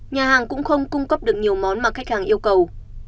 nhà hàng cũng không cung cấp được nhiều món mà khách hàng yêu cầu